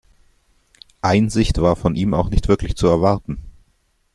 Einsicht war von ihm auch nicht wirklich zu erwarten.